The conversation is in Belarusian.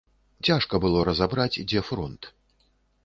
Цяжка было разабраць, дзе фронт.